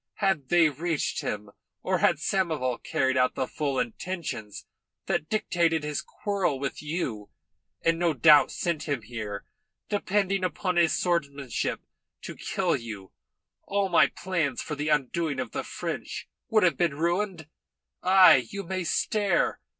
Had they reached him, or had Samoval carried out the full intentions that dictated his quarrel with you, and no doubt sent him here depending upon his swordsmanship to kill you, all my plans for the undoing of the French would have been ruined. Ay, you may stare.